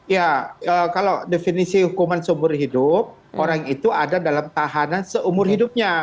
ya kalau definisi hukuman seumur hidup orang itu ada dalam tahanan seumur hidupnya